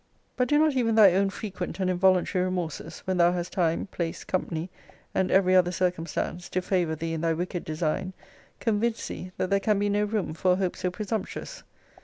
But do not even thy own frequent and involuntary remorses, when thou hast time, place, company, and every other circumstance, to favour thee in thy wicked design, convince thee, that there can be no room for a hope so presumptuous?